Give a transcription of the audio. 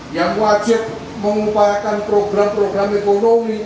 yang wajib mengupayakan program program ekonomi